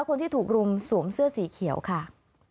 คนที่ถูกรุมสวมเสื้อสีเขียวค่ะ